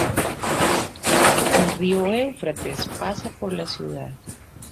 El río Éufrates pasa por la ciudad.